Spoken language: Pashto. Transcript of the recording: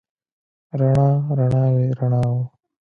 رڼا، رڼاوې، رڼاوو